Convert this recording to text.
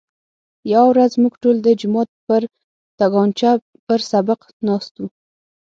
یوه ورځ موږ ټول د جومات پر تنګاچه پر سبق ناست وو.